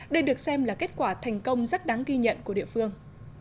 đây được xem là kết quả thành công rất đáng ghi nhận của địa phương